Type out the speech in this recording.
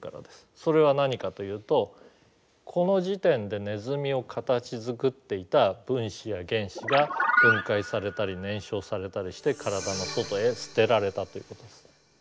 それは何かというとこの時点でネズミを形づくっていた分子や原子が分解されたり燃焼されたりして体の外へ捨てられたということです。